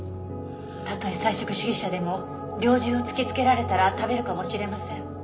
たとえ菜食主義者でも猟銃を突き付けられたら食べるかもしれません。